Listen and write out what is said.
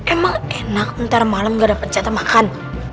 emang enak nanti malam gak dapat catat makan